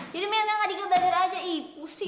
jadi minta kak dika belajar aja ih pusing